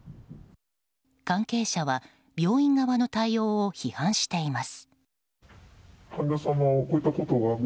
関係者は病院側の対応を批判しています。